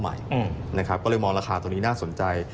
ใหม่นะครับก็เลยมองราคาตัวนี้น่าสนใจ